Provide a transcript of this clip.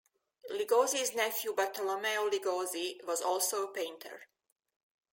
Ligozzi's nephew Bartolommeo Ligozzi was also a painter.